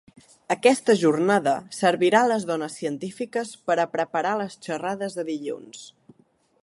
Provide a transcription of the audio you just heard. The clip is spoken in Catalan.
Aquesta jornada servirà a les dones científiques per a preparar les xerrades de dilluns.